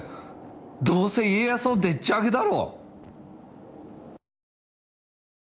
どうせ家康のでっちあげだろ！